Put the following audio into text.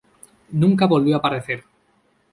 Nunca volvió a aparecer.